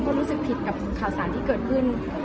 ก็รู้สึกผิดกับข่าวสารที่เกิดขึ้น